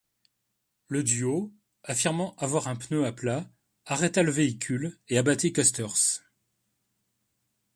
Le duo, affirmant avoir un pneu à plat, arrêta le véhicule et abattit Kusters.